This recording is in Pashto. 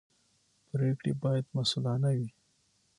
پرېکړې باید مسوولانه وي